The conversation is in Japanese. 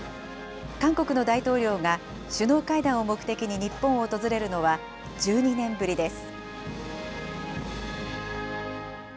韓国の大統領が首脳会談を目的に日本を訪れるのは１２年ぶりです。